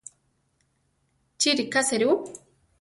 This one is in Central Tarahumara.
Chi ríka serú?